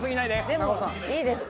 でもいいです。